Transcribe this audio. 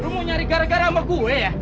kamu mau nyari gara gara sama gue ya